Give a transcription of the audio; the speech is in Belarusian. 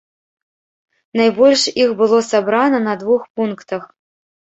Найбольш іх было сабрана на двух пунктах.